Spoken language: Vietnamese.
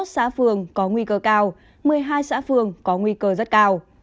hai mươi xã phường có nguy cơ cao một mươi hai xã phường có nguy cơ rất cao